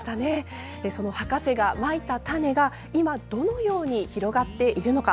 博士がまいた種が今、どのように広がっているのか。